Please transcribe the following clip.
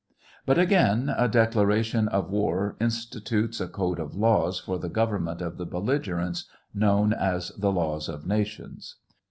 But, again, a declaration of war institutes a code of laws for the government of the belligerents, known as the laws of nations.